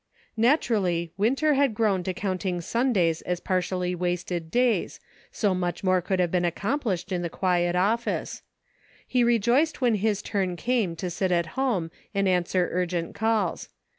Naturally, Winter had grown to counting Sun days as partially wasted days, so much more could have been accomplished in the quiet office. He rejoiced when his turn came to sit at home and answer urgent calls.